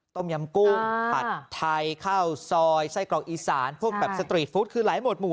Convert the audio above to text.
ต้มยำกุ้งผัดไทยข้าวซอยไส้กรอกอีสานพวกแบบสตรีทฟู้ดคือหลายหมดหมู่